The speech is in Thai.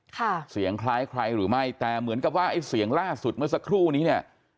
เสียงคล้ายใครหรือไม่แต่เหมือนกับว่าไอ้เสียงล่าสุดเมื่อสักครู่นี้เนี่ย